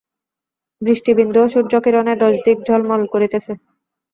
বৃষ্টিবিন্দু ও সূর্যকিরণে দশ দিক ঝলমল করিতেছে।